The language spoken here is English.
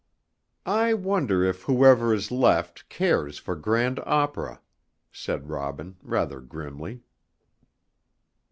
"I wonder if whoever is left cares for grand opera?" said Robin, rather grimly.